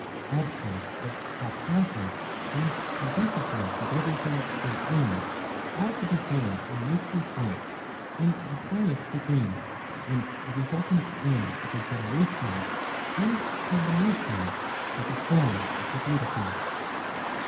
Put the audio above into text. Absence of hap hazard and conduciveness of everything to an end are to be found in Nature's works in the highest degree, and the resultant end of her generations and combinations is a form of the beautiful.